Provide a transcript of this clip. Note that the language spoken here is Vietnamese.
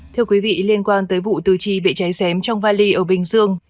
thưa quý vị liên quan tới vụ từ chi bị cháy xém trong vali ở bình dương